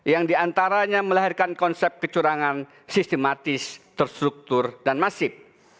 yang diantaranya melahirkan konsep kecurangan sistematis terstruktur dan masif